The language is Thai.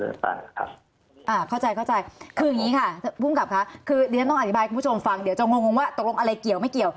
แล้วเขายังคุยบ้างยังนะครับ